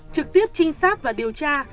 trực tiếp trinh sát và điều tra